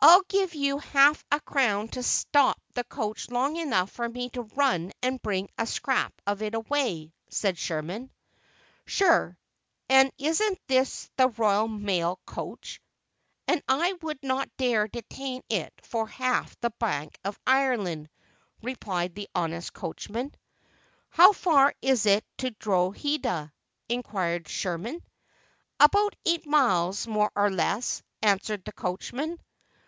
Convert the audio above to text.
"I'll give you half a crown to stop the coach long enough for me to run and bring a scrap of it away," said Sherman. "Sure, and isn't this the royal mail coach? and I would not dare detain it for half the Bank of Ireland," replied the honest coachman. "How far is it to Drogheda?" inquired Sherman. "About eight miles, more or less," answered the coachman.